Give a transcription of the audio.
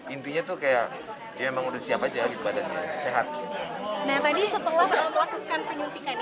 intinya tuh kayak dia emang udah siap aja badannya sehat nah tadi setelah melakukan penyuntikan